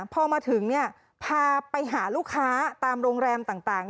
พอมาถึงพาไปหาลูกค้าตามโรงแรมต่าง